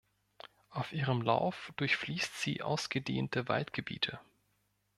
Auf ihrem Lauf durchfließt sie ausgedehnte Waldgebiete.